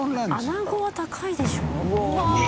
アナゴは高いでしょ。